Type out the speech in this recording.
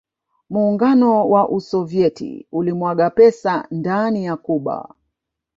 Muungano wa Usovieti ulimwaga pesa ndani ya Cuba